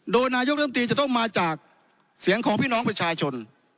โดยนายกรรมตรีจะต้องมาจากเสียงของพี่น้องประชาชน